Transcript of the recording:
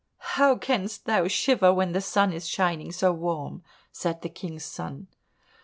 "How canst thou shiver when the sun is shining so warm?" said the King's son.